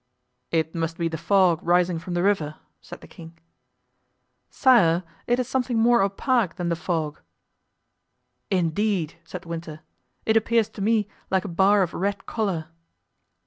"It must be the fog rising from the river," said the king. "Sire, it is something more opaque than the fog." "Indeed!" said Winter, "it appears to me like a bar of red color."